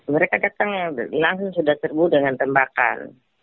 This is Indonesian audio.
mereka datang langsung sudah terbu dengan tembakan